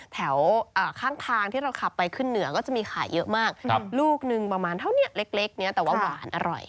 แถวข้างทางที่เราขับไปขึ้นเหนือก็จะมีขายเยอะมากลูกหนึ่งประมาณเท่านี้เล็กเนี่ยแต่ว่าหวานอร่อย